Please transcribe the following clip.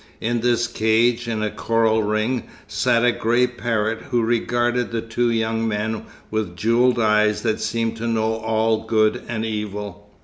In this cage, in a coral ring, sat a grey parrot who regarded the two young men with jewel eyes that seemed to know all good and evil.